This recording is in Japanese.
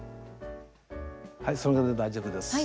はいそれで大丈夫です。